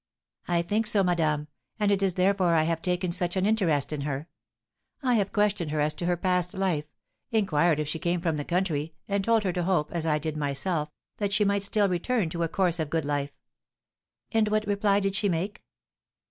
"I think so, madame; and it is therefore I have taken such an interest in her. I have questioned her as to her past life, inquired if she came from the country, and told her to hope, as I did myself, that she might still return to a course of good life." "And what reply did she make?"